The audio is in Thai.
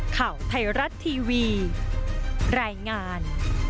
ข่าวไทยรัฐทีวีรายงาน